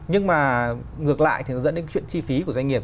nhưng mà ngược lại thì nó dẫn đến chuyện chi phí của doanh nghiệp